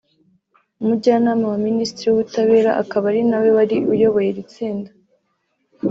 Umujyanama wa Minisitiri w’Ubutabera akaba ari na we wari uyoboye iri tsinda